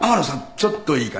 ちょっといいかな？